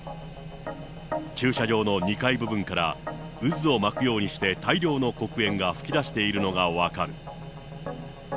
駐車場の２階部分から渦を巻くようにして大量の黒煙が吹き出しているのが分かる。